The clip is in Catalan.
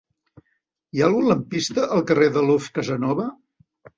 Hi ha algun lampista al carrer de Luz Casanova?